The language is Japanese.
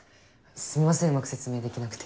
すみませんうまく説明できなくて。